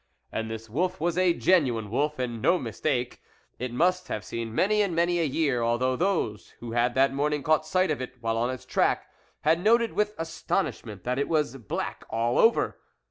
And this wolf was a genuine wolf, and no mistake ; it must have seen many and many a year, although those who had that morning caught sight of it while on THE WOLF LEADER 29 Its track, had noted with astonishment that it was black all over.